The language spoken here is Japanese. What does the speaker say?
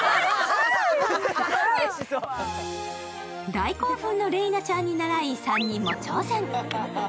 大興奮のれいなちゃんに倣い３人も挑戦。